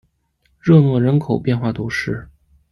热诺人口变化图示